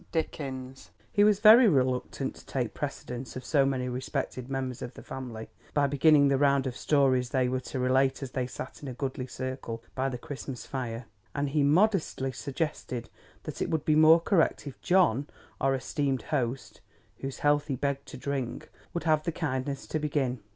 HE was very reluctant to take precedence of so many respected members of the family, by beginning the round of stories they were to relate as they sat in a goodly circle by the Christmas fire; and he modestly suggested that it would be more correct if "John our esteemed host" (whose health he begged to drink) would have the kindness to begin.